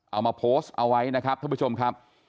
เอามาโพสต์เอาไว้นะครับท่านผู้ชมครับ